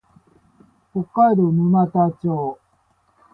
北海道沼田町